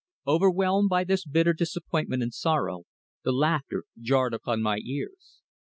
Overwhelmed by this bitter disappointment and sorrow, the laughter jarred upon my ears.